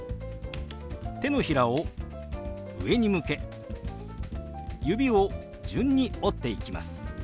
手のひらを上に向け指を順に折っていきます。